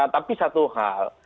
tapi satu hal